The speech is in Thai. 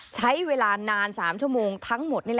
ใช้เวลานาน๓ชั่วโมงทั้งหมด